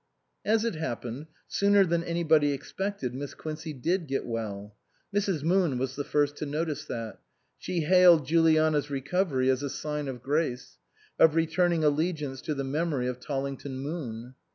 As it happened, sooner than anybody expected Miss Quincey did get well. Mrs. Moon was the first to notice that. She hailed Juliana's recovery as a sign of grace, of returning allegiance to the memory of Tollington Moon.